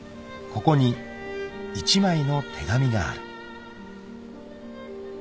［ここに１枚の手紙がある］